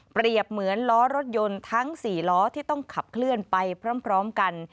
เหมือนล้อรถยนต์ทั้ง๔ล้อที่ต้องขับเคลื่อนไปพร้อมกัน